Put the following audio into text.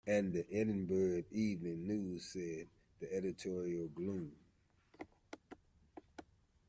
And the Edinburgh Evening News says, with editorial gloom.